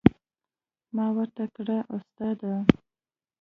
ما ورته کړه استاده.